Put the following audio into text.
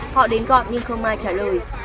họ đến gọn nhưng không ai trả lời